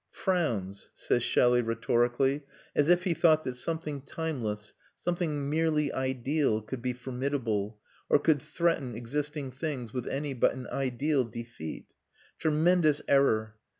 "Frowns," says Shelley rhetorically, as if he thought that something timeless, something merely ideal, could be formidable, or could threaten existing things with any but an ideal defeat. Tremendous error!